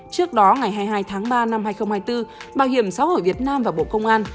trước đó ngày hai mươi hai tháng ba năm hai nghìn hai mươi bốn bảo hiểm xã hội việt nam và bộ công an